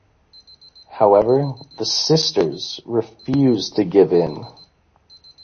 However, the sisters refuse to give in.